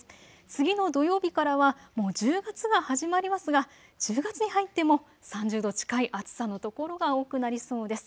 次の土曜日からはもう１０月が始まりますが、１０月に入っても３０度近い暑さの所が多くなりそうです。